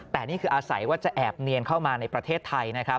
แต่นี่คืออาศัยว่าจะแอบเนียนเข้ามาในประเทศไทยนะครับ